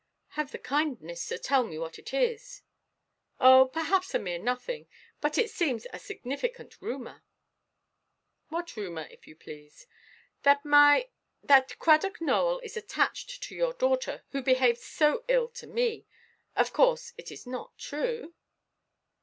"Have the kindness to tell me what it is." "Oh, perhaps a mere nothing. But it seems a significant rumour." "What rumour, if you please?" "That my—that Cradock Nowell is attached to your daughter, who behaved so ill to me. Of course, it is not true?"